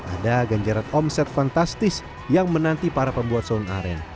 ada ganjaran omset fantastis yang menanti para pembuat sound aren